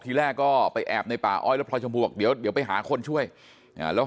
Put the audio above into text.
ทีแรกก็ไปแอบในป่าอ้อยแล้วพลอยชมพูบอกเดี๋ยวไปหาคนช่วยแล้ว